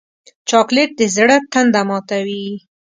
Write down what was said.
چاکلېټ د زړه تنده ماتوي.